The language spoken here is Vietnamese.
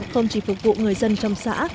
không chỉ phục vụ người dân trong xã